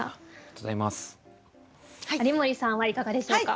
有森さんはいかがでしょうか？